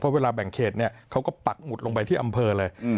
เวลาแบ่งเขตเนี่ยเขาก็ปักหมุดลงไปที่อำเภอเลย